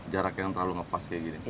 jarak yang terlalu ngepas kayak gini